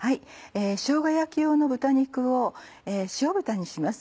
しょうが焼き用の豚肉を塩豚にします。